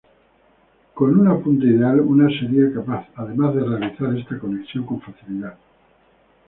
Con una punta ideal, uno sería capaz, además, de realizar esta conexión con facilidad.